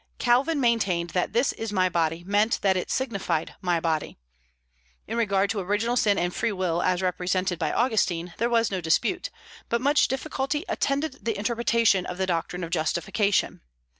Calvin maintained that "This is my body" meant that it signified "my body." In regard to original sin and free will, as represented by Augustine, there was no dispute; but much difficulty attended the interpretation of the doctrine of Justification.